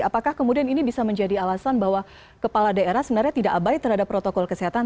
apakah kemudian ini bisa menjadi alasan bahwa kepala daerah sebenarnya tidak abai terhadap protokol kesehatan